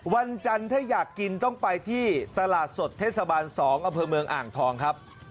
วันจันทร์ถ้าอยากกินต้องไปที่ตลาดสดเทศบาล๒อำเภอเมืองอ่างทองครับ